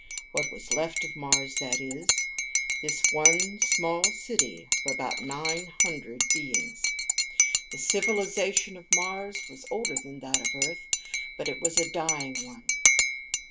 What was left of Mars, that is; this one small city of about nine hundred beings. The civilization of Mars was older than that of Earth, but it was a dying one.